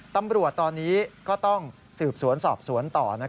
ตำรวจตอนนี้ก็ต้องสืบสวนสอบสวนต่อ